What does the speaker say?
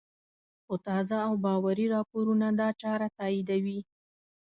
خو تازه او باوري راپورونه دا چاره تاییدوي